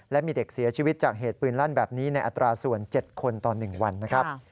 และมีเด็กเสียชีวิตจากเหตุปืนลั่นแบบนี้ในอัตราส่วน๗คนต่อ๑วันนะครับ